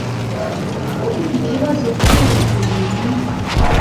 Ufite ikibazo kuri ibyo, bintu ?